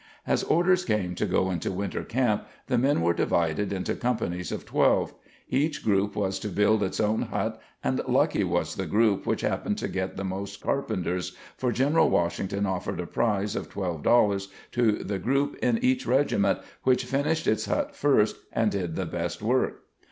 As orders came to go into winter camp the men were divided into companies of twelve. Each group was to build its own hut and lucky was the group which happened to get the most carpenters, for General Washington offered a prize of twelve dollars to the group in each regiment which finished its hut first and did the best work.